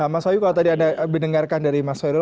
mas wayu kalau tadi anda mendengarkan dari mas wayu